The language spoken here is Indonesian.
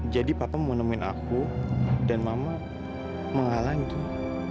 jadi papa mau nemen aku dan mama mengalahin dia